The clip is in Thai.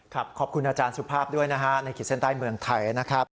ขอบคุณอาจารย์สุภาพด้วยนะฮะในขีดเส้นใต้เมืองไทยนะครับ